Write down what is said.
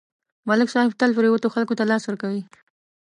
ملک صاحب تل پرېوتو خلکو ته لاس ورکړی